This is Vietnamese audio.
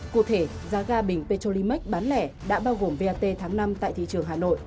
cụ thể giá ga bình petrolimax bán lẻ đã bao gồm vat tháng năm tại thị trường hà nội